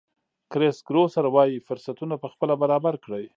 کرېس ګروسر وایي فرصتونه پخپله برابر کړئ.